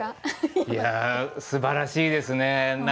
いやすばらしいですね。